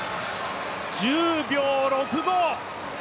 １０秒６５。